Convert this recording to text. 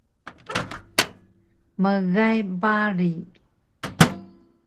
Mgay bari